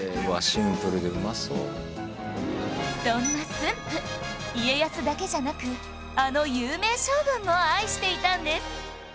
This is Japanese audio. そんな駿府家康だけじゃなくあの有名将軍も愛していたんです